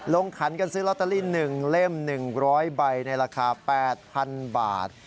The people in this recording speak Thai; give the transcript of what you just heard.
ขันกันซื้อลอตเตอรี่๑เล่ม๑๐๐ใบในราคา๘๐๐๐บาท